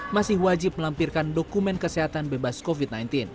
masih wajib melampirkan dokumen kesehatan bebas covid sembilan belas